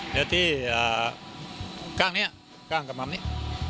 แล้วที่ข้างนี้ข้างกระมับนี้